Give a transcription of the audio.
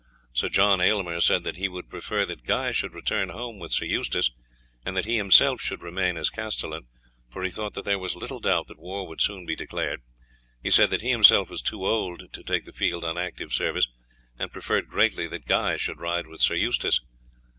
Sir John Aylmer said that he would prefer that Guy should return home with Sir Eustace and that he himself should remain as castellan, for he thought that there was little doubt that war would soon be declared; he said that he himself was too old to take the field on active service, and preferred greatly that Guy should ride with Sir Eustace.